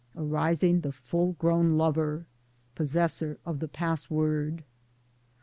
arising the full grown lover — possessor of the password.